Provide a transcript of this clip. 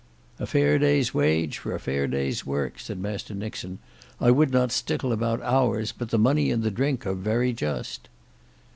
"A fair day's wage for a fair day's work," said Master Nixon. "I would not stickle about hours, but the money and the drink are very just."